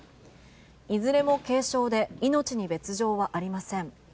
いずれも軽傷で命に別状はありません。